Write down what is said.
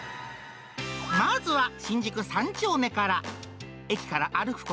まずは、新宿三丁目から。